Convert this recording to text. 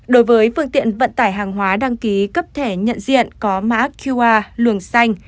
đối với phương tiện vận tải hàng hóa đăng ký cấp thẻ nhận diện có mã qr luồng xanh